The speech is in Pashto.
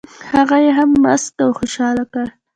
هغه یې هم مسک او خوشال کړ.